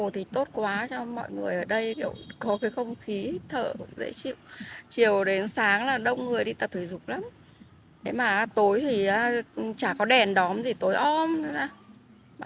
thì có một cái khu cho người dân là cái khu đấy rộng lắm